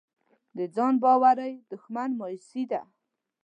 د ځان باورۍ دښمن مایوسي ده.